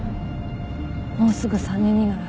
もうすぐ３年になる